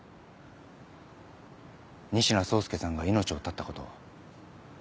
仁科壮介さんが命を絶ったこと。